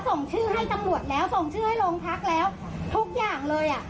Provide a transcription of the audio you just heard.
ส่งชื่อให้ตำรวจแล้วส่งชื่อให้โรงพักแล้วทุกอย่างเลยอ่ะ